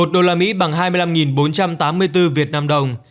một đô la mỹ bằng hai mươi năm bốn trăm tám mươi bốn việt nam đồng